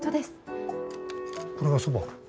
これがそば？